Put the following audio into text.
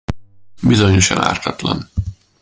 Bizonyosan ártatlan!